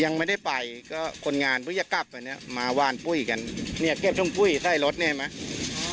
ยังไม่ได้ไปก็คนงานพวกอย่ากลับมาวานปุ้ยกันเนี่ยเก็บทุ่มปุ้ยใส่รถเนี่ยไหม